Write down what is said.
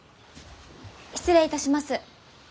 失礼いたします。